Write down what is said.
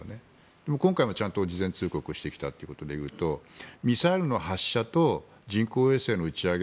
でも今回も事前通告をしてきたということでいうとミサイルの発射と人工衛星の打ち上げ